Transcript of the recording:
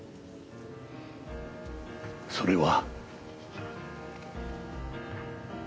それは。